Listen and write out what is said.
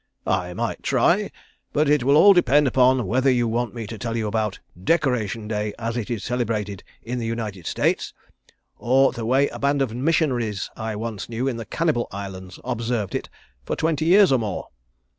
"I might try but it will all depend upon whether you want me to tell you about Decoration Day as it is celebrated in the United States, or the way a band of missionaries I once knew in the Cannibal Islands observed it for twenty years or more."